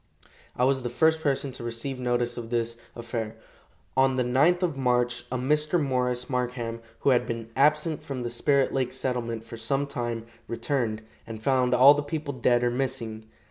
I was the first person to receive notice of this affair. On the 9th of March a Mr. Morris Markham, who had been absent from the Spirit lake settlement for some time, returned, and found all the people dead or missing.